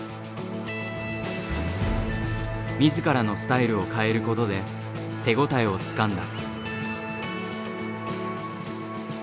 自らのスタイルを変えることで手応えをつかんだ。